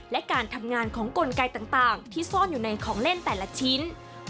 และการทำงานของกลไกต่างที่ซ่อนอยู่ในของเล่นแต่ละชิ้น